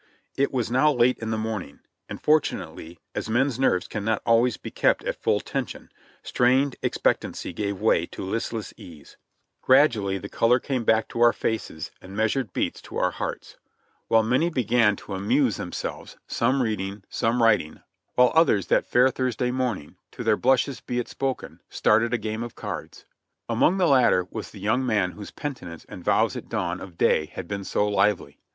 It was now late in the morning, and fortunately, as men's nerves cannot always be kept at full tension, strained expectancy gave way to listless ease; gradually the color came back to our faces, and measured beats to our hearts, while many began to amuse 54 JOHNNY REB AND BILLY YANK themselves, some reading, some writing, while others, that fair Thursday morning — to their blushes be it spoken — started a game of cards. Among the latter was the young man whose penitence and vows at dawn of day had been so lively.